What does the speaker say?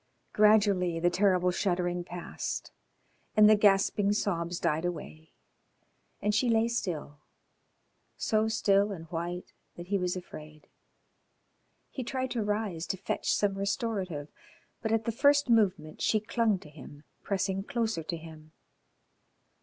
Gradually the terrible shuddering passed and the gasping sobs died away, and she lay still, so still and white that he was afraid. He tried to rise to fetch some restorative, but at the first movement she clung to him, pressing closer to him.